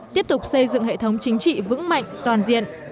tiếp tục xây dựng hệ thống chính trị vững mạnh toàn diện